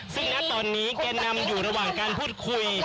ซึ่งณตอนนี้แกนนำอยู่ระหว่างการพูดคุย